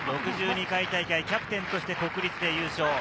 ６２回大会キャプテンとして国立で優勝。